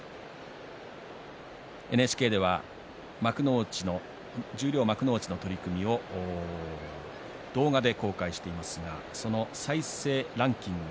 ＮＨＫでは十両、幕内の取組を動画で公開していますがその再生ランキング